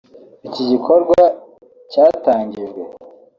Iki gikorwa cyatangijwe